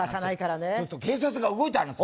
そうすると警察が動いたって。